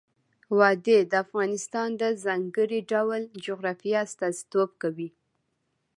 وادي د افغانستان د ځانګړي ډول جغرافیه استازیتوب کوي.